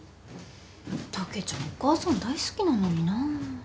たけちゃんお母さん大好きなのにな。